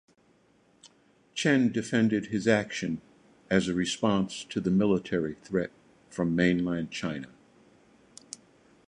Chen defended his action as a response to the military threat from mainland China.